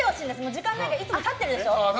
時間ないからいつも立ってるでしょ。